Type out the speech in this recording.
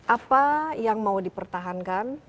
apa yang mau dipertahankan